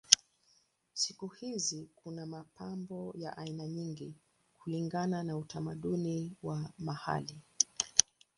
Siku hizi kuna mapambo ya aina nyingi kulingana na utamaduni wa mahali.